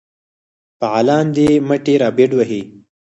فعالان دي مټې رابډ وهي.